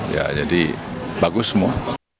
ya jadi bagus semua